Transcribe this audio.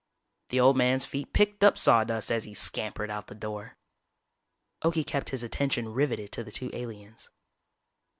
The old man's feet kicked up sawdust as he scampered out the door. Okie kept his attention riveted to the two aliens.